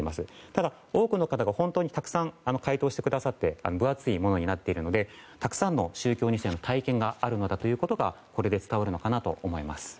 ただ多くの方が本当にたくさん回答してくださって分厚いものになっているのでたくさんの宗教２世の体験があるのだということがこれで伝わるのかなと思います。